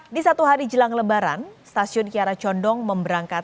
di satu hari jelang lebaran stasiun kiara condong akan menempatkan pembawaan